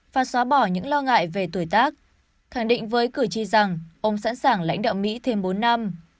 và xóa bỏ những lo ngại về tuổi tác khẳng định với cử tri rằng ông sẵn sàng lãnh đạo mỹ thêm bốn năm